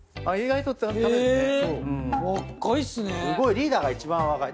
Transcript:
リーダーが一番若い。